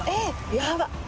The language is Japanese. やばっ。